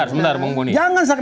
saya begini sebentar